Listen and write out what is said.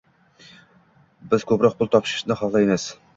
Biz ko’proq pul topishni xohlaymiz.